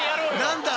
「何だ